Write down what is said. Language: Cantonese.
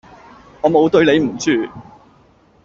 我冇對你唔住